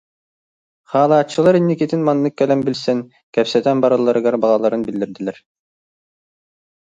Хаалааччылар инникитин маннык кэлэн билсэн, кэпсэтэн баралларыгар баҕаларын биллэрдилэр